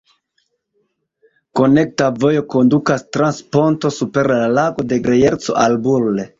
Konekta vojo kondukas trans ponto super la Lago de Grejerco al Bulle.